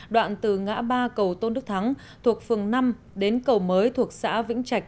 đoạn từ ngã ba cầu tôn đức thắng thuộc phường năm đến cầu mới thuộc xã vĩnh trạch